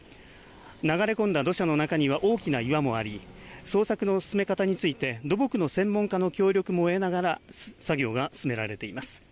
流れ込んだ土砂の中には大きな岩もあり、捜索の進め方について土木の専門家の協力も得ながら作業が進められています。